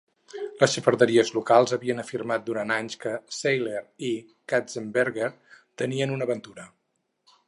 Les xafarderies locals havien afirmat durant anys que Seiler i Katzenberger tenien una aventura.